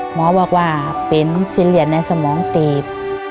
หมอบอกว่าเป็นซีเรียสในสมองตีบ